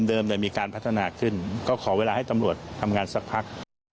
มีการพัฒนาขึ้นก็ขอเวลาให้ตำรวจทำงานสักพัก